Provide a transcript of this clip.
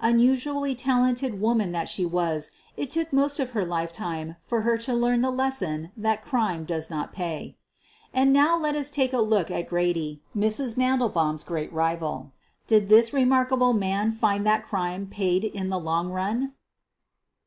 Unusually 'talented woman that she was, it took most of her lifetime for her to learn the lesson that crime does not pay! And now let us take a look at Grady, Mrs. Mandel baum 's great rival. Did this remarkable man find that crime paid in the long run?